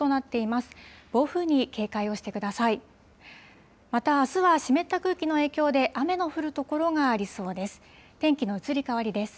またあすは、湿った空気の影響で、雨の降る所がありそうです。